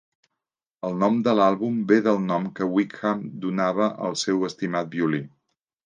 El nom de l'àlbum ve del nom que Wickham donava al seu "estimat" violí.